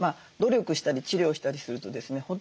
努力したり治療したりするとですね